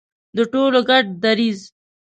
د ټولو ګډ دریځ.